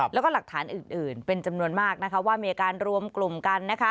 แล้วก็หลักฐานอื่นเป็นจำนวนมากว่ามีอาการรวมกลมกัน